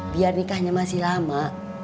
biar nikahnya masih lama